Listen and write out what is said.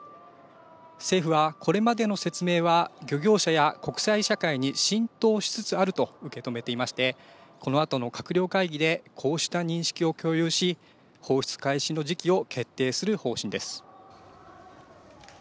政府はこれまでの説明は漁業者や国際社会に浸透しつつあると受け止めていまして、このあとの閣僚会議でこうした認識を共有し、放出開始の時期を決定する方針です。